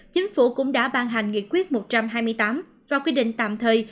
chính phủ cũng đã ban hành nghị quyết một trăm hai mươi tám và quy định tạm thời